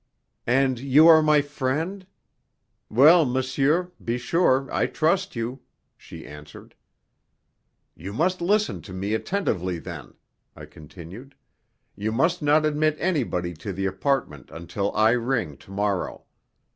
"And you are my friend? Well, monsieur, be sure I trust you," she answered. "You must listen to me attentively, then," I continued. "You must not admit anybody to the apartment until I ring to morrow.